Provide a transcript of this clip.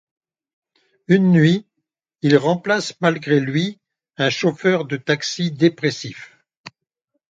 Une nuit, il remplace malgré lui un chauffeur de taxi dépressif.